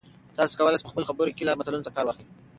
تاسي کولای شئ په خپلو خبرو کې له متلونو کار واخلئ.